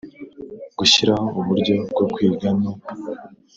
Gushyiraho uburyo bwo kwiga no